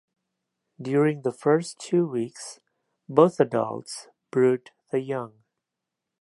During the first two weeks, both adults brood the young.